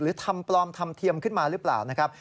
ทำปลอมทำเทียมขึ้นมาหรือเปล่านะครับ